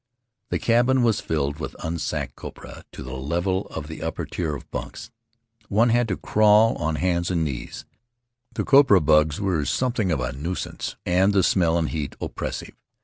: The cabin was filled with unsacked copra to the level of the upper tier of bunks. One had to crawl in on hands and knees. The copra bugs were some thing of a nuisance, and the smell and heat oppressive.